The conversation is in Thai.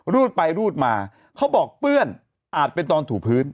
รูดไปรูดมาเขาบอกเปื้อนอาจเป็นตอนถูพื้น